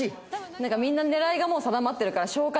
なんかみんな狙いがもう定まってるからそうね。